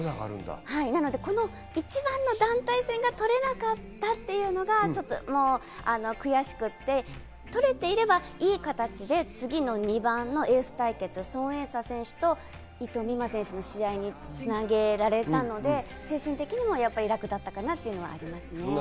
なのでこの一番の団体戦が取れなかったっていうのが悔しくて、取れていればいい形で次の２番のエース対決、ソン・エイサ選手と伊藤美誠選手の試合につなげられたので、精神的にも楽だったかなっていうのはあります